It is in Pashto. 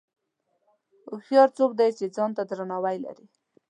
هوښیار څوک دی چې ځان ته درناوی لري.